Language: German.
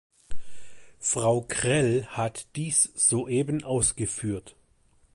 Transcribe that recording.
Frau Krehl hat dies soeben ausgeführt.